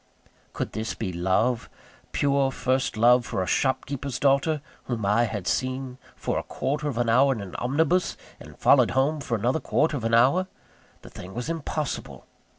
Could this be love? pure, first love for a shopkeeper's daughter, whom I had seen for a quarter of an hour in an omnibus, and followed home for another quarter of an hour? The thing was impossible.